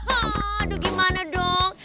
aduh gimana dong